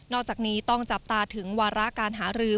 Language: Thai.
อกจากนี้ต้องจับตาถึงวาระการหารือ